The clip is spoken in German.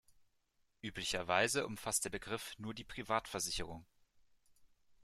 Üblicherweise umfasst der Begriff nur die Privatversicherung.